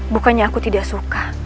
bukannya aku tidak suka